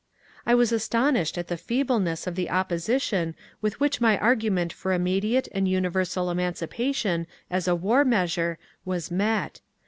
I was astonished at the feebleness of the opposition with which my argument for immediate and universal emancipa tion as a war measure was met.